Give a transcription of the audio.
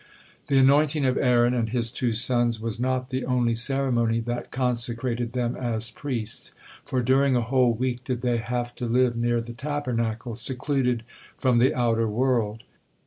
The anointing of Aaron and his two sons was not the only ceremony that consecrated them as priests, for during a whole week did they have to live near the Tabernacle, secluded from the outer world.